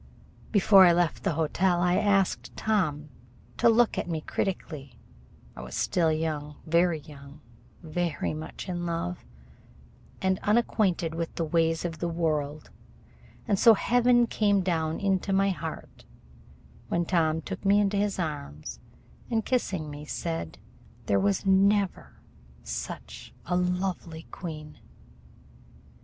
Before I left the hotel I asked Tom to look at me critically. I was still young very young, very much in love, and unacquainted with the ways of the world, and so heaven came down into my heart when Tom took me into his arms and, kissing me, said: "There was never such a lovely queen."